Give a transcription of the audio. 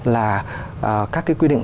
là các cái quy định